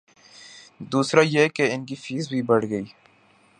دوسرا یہ کہ ان کی فیس بھی بڑھ گئی۔